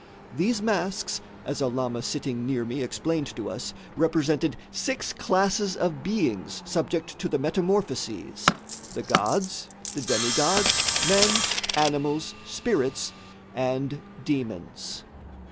These masks, as a lama sitting near me explained to us, represented six classes of beings subject to the metamorphoses; the gods, the demigods, men, animals, spirits and demons.